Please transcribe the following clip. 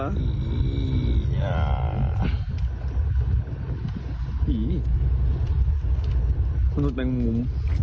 มันนุษย์แปงมุม